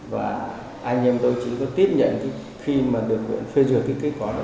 và anh em tôi chỉ có tiếp nhận khi mà được phê duyệt kết quả